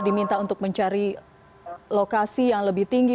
diminta untuk mencari lokasi yang lebih tinggi